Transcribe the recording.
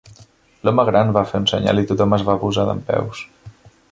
L'home gran va fer un senyal i tothom es va posar dempeus.